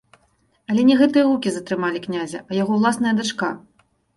Але не гэтыя гукі затрымалі князя, а яго ўласная дачка.